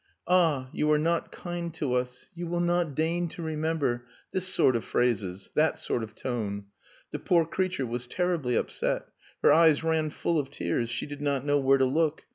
'Ah! you are not kind to us you will not deign to remember....' This sort of phrases, that sort of tone. The poor creature was terribly upset. Her eyes ran full of tears. She did not know where to look.